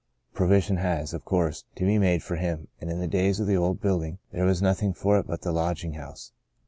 Provision has, of course, to be made for him, and in the days of the old building there was nothing for it but the lodging house.